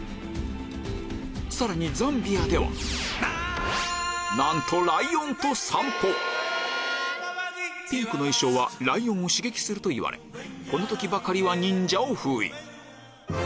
さらにザンビアではピンクの衣装はライオンを刺激すると言われこの時ばかりは忍者を封印